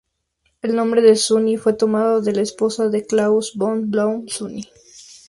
El nombre de Sunny fue tomado de la esposa de Claus von Bülow, Sunny.